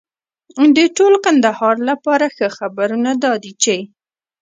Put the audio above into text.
د ټول کندهار لپاره ښه خبرونه دا دي چې